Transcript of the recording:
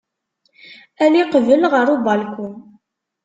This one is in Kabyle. Ali qbel ɣer ubalku.